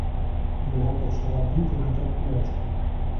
Його почала бити нетерплячка.